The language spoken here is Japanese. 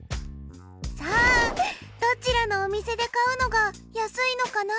さあどちらのお店で買うのが安いのかな？